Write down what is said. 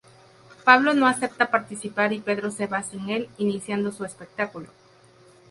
Pablo no acepta participar y Pedro se va sin el, iniciando su espectáculo.